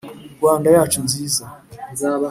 rwanda yacu nziza ,